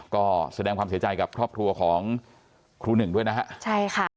ก็แสดงความเสียใจกับครอบครัวของครูหนึ่งด้วยนะฮะใช่ค่ะ